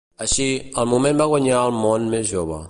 Així, el moment va guanyar al món més jove.